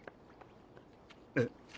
えっ？